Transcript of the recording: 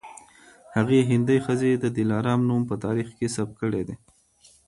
هغې هندۍ ښځې د دلارام نوم په تاریخ کي ثبت کړی دی